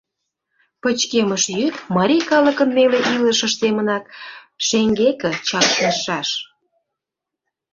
Пычкемыш йӱд марий калыкын неле илышыж семынак шеҥгеке чакнышаш.